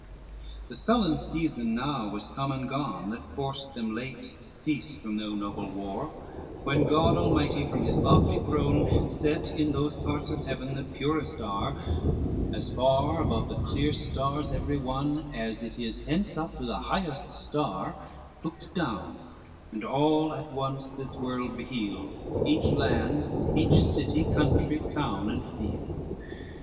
VII The sullen season now was come and gone, That forced them late cease from their noble war, When God Almighty form his lofty throne, Set in those parts of Heaven that purest are (As far above the clear stars every one, As it is hence up to the highest star), Looked down, and all at once this world beheld, Each land, each city, country, town and field.